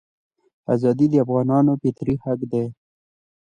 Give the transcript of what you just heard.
ازادي د افغانانو فطري حق دی.